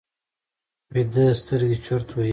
ویده سترګې چورت وهي